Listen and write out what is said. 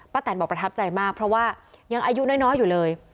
แตนบอกประทับใจมากเพราะว่ายังอายุน้อยอยู่เลย